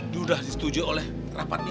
sudah disetujui oleh rapat